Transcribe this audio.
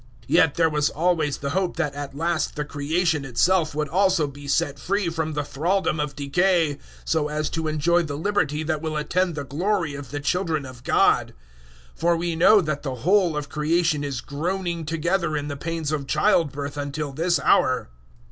008:021 Yet there was always the hope that at last the Creation itself would also be set free from the thraldom of decay so as to enjoy the liberty that will attend the glory of the children of God. 008:022 For we know that the whole of Creation is groaning together in the pains of childbirth until this hour.